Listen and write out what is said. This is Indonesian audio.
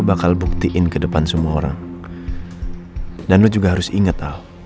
holl tape nya kacau banget